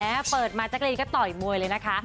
แม้เปิดมาจากเรียนก็ต่อยมวยเลยนะคะ